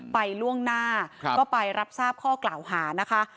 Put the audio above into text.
ล่วงหน้าก็ไปรับทราบข้อกล่าวหานะคะ